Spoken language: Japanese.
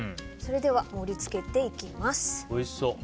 それでは盛り付けていきます。